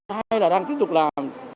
hay là đang tiếp tục làm